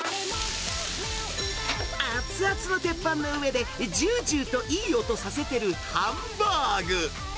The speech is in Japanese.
熱々の鉄板の上でじゅーじゅーといい音させてるハンバーグ。